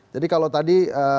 jadi kalau tadi